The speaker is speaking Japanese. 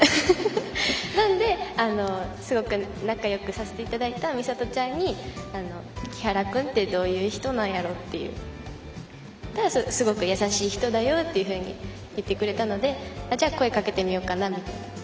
なんですごく仲よくさせていただいた美里ちゃんに木原君ってどういう人なんやろ？っていうそしたら、すごく優しい人だよっていうふうに言ってくれたので、それなら声をかけてみようかなと。